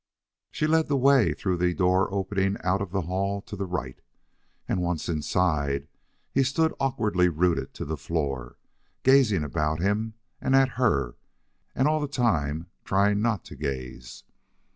She led the way through the door opening out of the hall to the right, and, once inside, he stood awkwardly rooted to the floor, gazing about him and at her and all the time trying not to gaze.